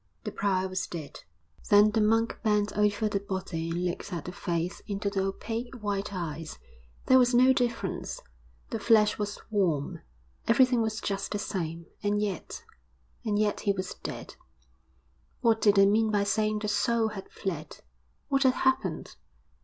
The prior was dead. Then the monk bent over the body and looked at the face into the opaque white eyes; there was no difference, the flesh was warm everything was just the same, and yet ... and yet he was dead. What did they mean by saying the soul had fled? What had happened?